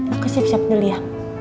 aku siap siap dulu ya